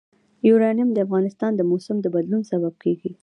یورانیم د افغانستان د موسم د بدلون سبب کېږي.